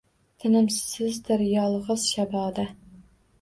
Tinimsizdir yolg’iz shaboda